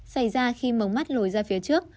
xảy ra khi mống mắt lùi ra phía trước